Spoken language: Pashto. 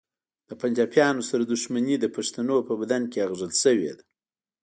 د پنجابیانو سره دښمني د پښتنو په بدن کې اغږل شوې ده